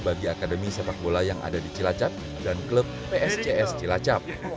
bagi akademi sepak bola yang ada di cilacap dan klub pscs cilacap